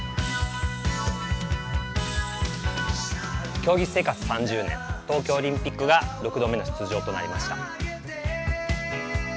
競技生活３０年、東京オリンピックが６度目の出場となりました。